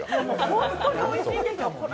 本当においしいんですよ